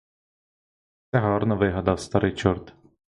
Це гарно вигадав старий чорт!